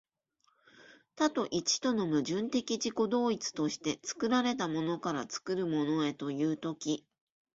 多と一との矛盾的自己同一として、作られたものから作るものへという時、